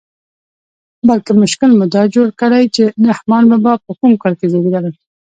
بلکې مشکل مو دا جوړ کړی چې رحمان بابا په کوم کال زېږېدلی.